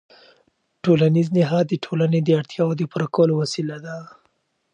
ټولنیز نهاد د ټولنې د اړتیاوو د پوره کولو وسیله ده.